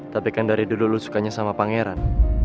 tapi kan dari dulu lu sukanya sama pangeran